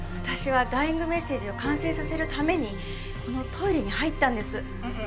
私はダイイングメッセージを完成させるためにこのトイレに入ったんです。